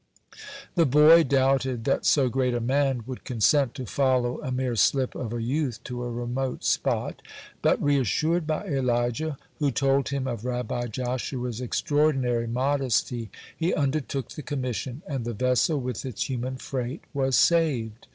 The boy doubted that so great a man would consent to follow a mere slip of a youth to a remote spot, but, reassured by Elijah, who told him of Rabbi Joshua's extraordinary modesty, he undertook the commission, and the vessel with its human freight was saved.